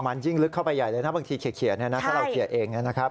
มันยิ่งลึกเข้าไปใหญ่เลยนะบางทีเขียนเนี่ยนะถ้าเราเขียนเองนะครับ